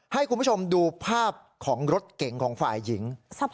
ให้คุณผู้ชมดูภาพของรถเก๋งของฝ่ายหญิง